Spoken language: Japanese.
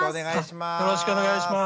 よろしくお願いします。